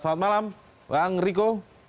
selamat malam bang riko